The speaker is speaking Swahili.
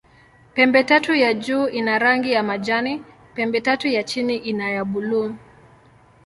Pembetatu ya juu ina rangi ya majani, pembetatu ya chini ni ya buluu.